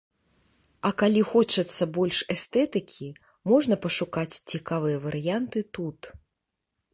А калі хочацца больш эстэтыкі, можна пашукаць цікавыя варыянты тут.